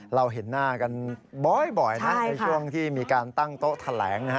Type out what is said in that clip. เราเห็นหน้ากันบ่อยนะในช่วงที่มีการตั้งโต๊ะแถลง